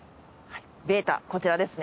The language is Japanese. ベータこちらですね。